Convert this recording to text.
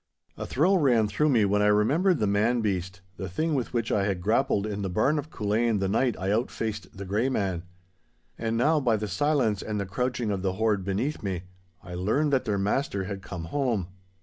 A thrill ran through me when I remembered the man beast, the thing with which I had grappled in the barn of Culzean the night I out faced the Grey Man. And now by the silence and the crouching of the horde beneath me, I learned that their master had come home.